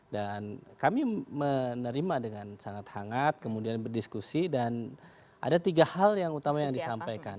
dan kami menerima dengan sangat hangat kemudian berdiskusi dan ada tiga hal yang utama yang disampaikan